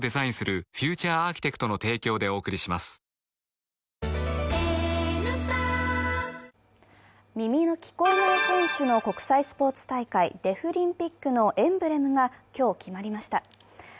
ニトリ耳の聞こえない選手の国際スポーツ大会デフリンピックのエンブレムが今日、決まりました。